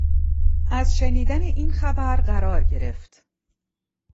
از شنیدن این خبر قرار گرفت